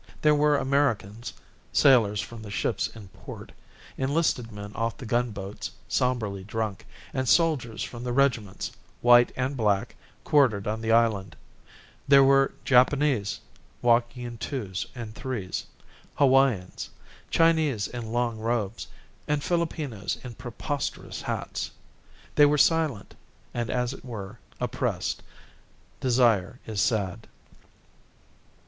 There were Americans, sailors from the ships in port, enlisted men off the gunboats, sombrely drunk, and soldiers from the regiments, white and black, quartered on the island; there were Japanese, walking in twos and threes; Hawaiians, Chinese in long robes, and Filipinos in preposterous hats. They were silent and as it were oppressed. Desire is sad.